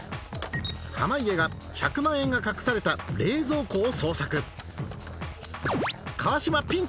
濱家が１００万円が隠された冷蔵庫を捜索川島ピンチ！